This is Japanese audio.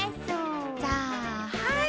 じゃあはい！